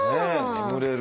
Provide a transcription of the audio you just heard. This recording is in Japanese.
眠れる。